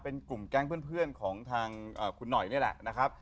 เป็นกลุ่มแก๊งเพื่อนของทางคุณหน่อยนี่แหละนะครับ